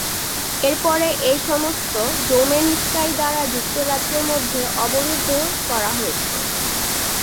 এরপরে এই সমস্ত ডোমেন স্কাই দ্বারা যুক্তরাজ্যের মধ্যে অবরুদ্ধ করা হয়েছে।